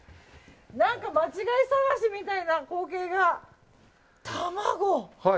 何か間違い探しみたいな光景が。